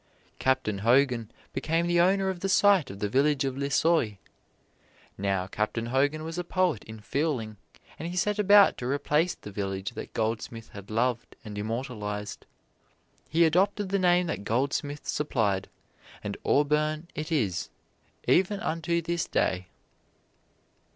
Captain Hogan became the owner of the site of the village of Lissoy. Now, Captain Hogan was a poet in feeling, and he set about to replace the village that Goldsmith had loved and immortalized. He adopted the name that Goldsmith supplied, and Auburn it is even unto this day.